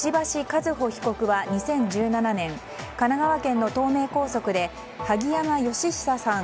和歩被告は２０１７年神奈川県の東名高速で萩山嘉久さん